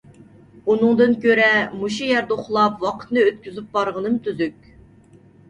ئۇنىڭدىن كۆرە مۇشۇ يەردە ئۇخلاپ ۋاقىتنى ئۆتكۈزۈپ بارغىنىم تۈزۈك.